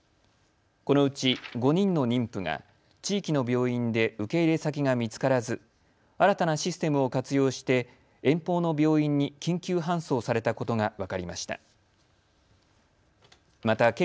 このうち５人の妊婦が地域の病院で受け入れ先が見つからず新たなシステムを活用して遠方の病院に緊急搬送されたことが分かりました。